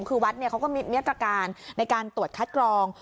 คือวัดเขาก็มีมาตรการในการตรวจคัดกรอง